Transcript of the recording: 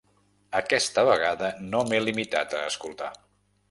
Aquesta vegada no m'he limitat a escoltar.